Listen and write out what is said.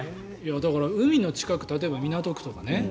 海の近く例えば港区とかね